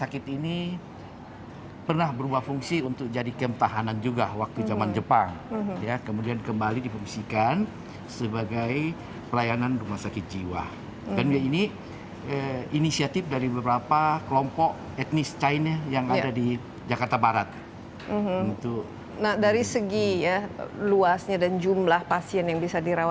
kedua wilayah itu sama sama memiliki skor prevalensi dua tujuh kasus dalam sejarah